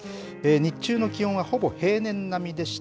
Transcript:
日中の気温はほぼ平年並みでした。